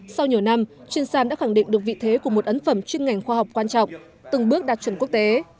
sau nhiều năm chuyên sàn đã khẳng định được vị thế của một ấn phẩm chuyên ngành khoa học quan trọng từng bước đạt chuẩn quốc tế